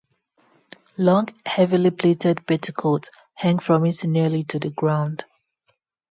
Long heavily-plaited petticoats hang from it nearly to the ground.